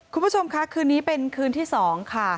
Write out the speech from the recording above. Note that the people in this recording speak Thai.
คุณผู้ชมค่ะคืนนี้เป็นคืนที่๒ค่ะ